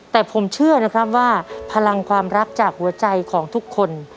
แต่ผมเชื่อนะครับว่าพลังความรักจากหัวใจของทุกคน